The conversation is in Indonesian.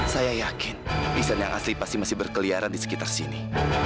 saya yakin desain yang asli pasti masih berkeliaran di sekitar sini